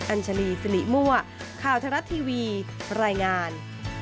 อัญชลีสิริมั่วข่าวทรัฐทีวีรายงาน